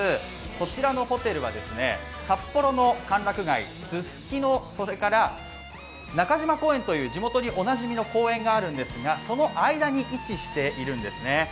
こちらのホテルは札幌の歓楽街、すすきの、それから中島公園という地元におなじみの公園があるんですが、その間に位置しているんですね。